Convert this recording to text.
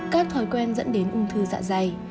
các thói quen dẫn đến ung thư dạ dày